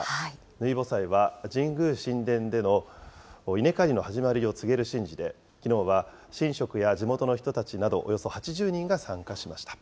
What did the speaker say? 抜穂祭は神宮神田での稲刈りの始まりを告げる神事で、きのうは神職や地元の人たちなどおよそ８０人が参加しました。